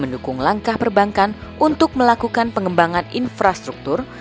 mendukung langkah perbankan untuk melakukan pengembangan infrastruktur